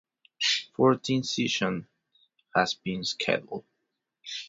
Fourteen sessions have been scheduled.